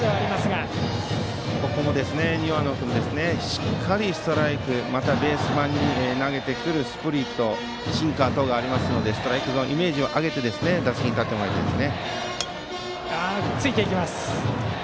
しっかりストレートまたベース板に投げてくるスプリットシンカーなどがありますのでイメージを上げて打席に立ってもらいたいです。